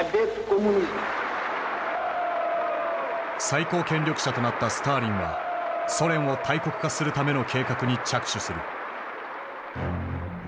最高権力者となったスターリンはソ連を大国化するための計画に着手する。